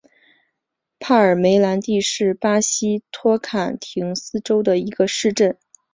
帕尔梅兰蒂是巴西托坎廷斯州的一个市镇。